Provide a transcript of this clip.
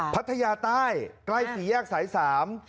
พัทยาใต้ใกล้สี่แยกสายสาม